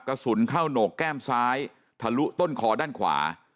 กระสุนเข้าโหนกแก้มซ้ายทะลุต้นคอด้านขวา